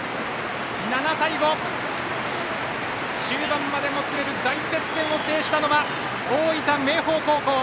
７対５、終盤までもつれる大接戦を制したのは大分・明豊高校。